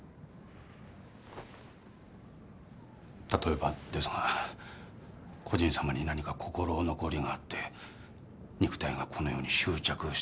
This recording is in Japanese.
例えばですが故人さまに何か心残りがあって肉体がこの世に執着しているとか？